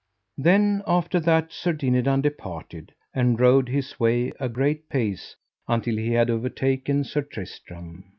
Then after that Sir Dinadan departed, and rode his way a great pace until he had overtaken Sir Tristram.